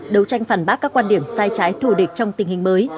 đấu tranh phản bác các quan điểm sai trái thù địch trong tình hình mới